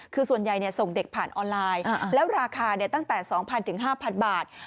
คือส่วนใหญ่เนี่ยส่งเด็กผ่านออนไลน์แล้วราคาเนี่ยตั้งแต่๒๐๐๐ถึง๕๐๐๐บาท